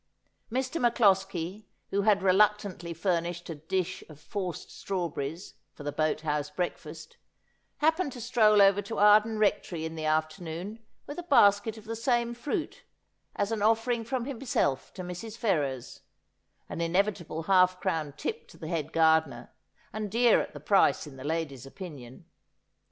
Mr. MacCloskie, who had reluctantly furnished a dish of forced strawberries for the boat house breakfast, happened to stroll over to Arden Rectory in the afternoon with a basket of the same fruit, as an ofEering from himself to Mrs. Ferrers — an inevitable half crown tip to the head gardener, and dear at the price in the lady's opinion.